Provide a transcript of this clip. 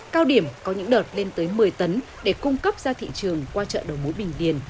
cao điểm có những đợt lên tới một mươi tấn để cung cấp ra thị trường qua chợ đầu mối bình điền